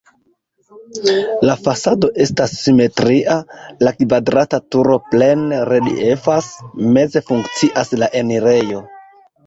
La fasado estas simetria, la kvadrata turo plene reliefas, meze funkcias la enirejo.